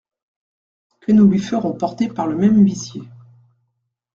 Que nous lui ferons porter par le même huissier…